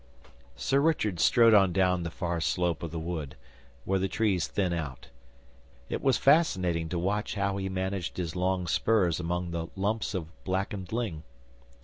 Sir Richard strode on down the far slope of the wood, where the trees thin out. It was fascinating to watch how he managed his long spurs among the lumps of blackened ling.